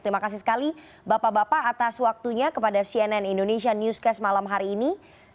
terima kasih sekali bapak bapak atas waktunya kepada cnn indonesia newscast malam hari ini